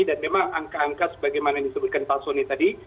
dan memang angka angka sebagaimana disebutkan pak soni tadi